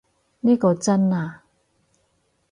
呢個真啊